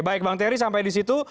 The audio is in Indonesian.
baik bang terry sampai di situ